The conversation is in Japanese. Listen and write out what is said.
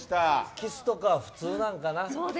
キスとか普通なんかな。